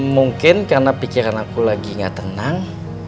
mungkin karena pikiran aku lagi gak tenang